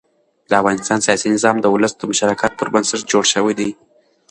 د افغانستان سیاسي نظام د ولس د مشارکت پر بنسټ جوړ شوی دی